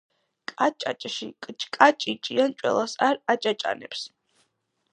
კაჭაჭში კჭკაჭი ჭიანჭველას არ აჭაჭანებს.